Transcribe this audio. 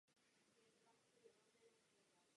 Odtud pochází i jeho hojně používaná přezdívka "Eda".